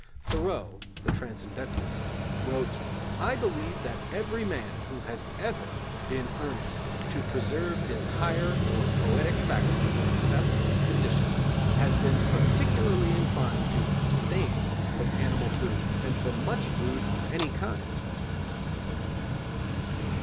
Thoreau, the transcendentalist, wrote: 'I believe that every man who has ever been earnest to preserve his higher or poetic faculties in the best condition, has been particularly inclined to abstain from animal food, and from much food of any kind.'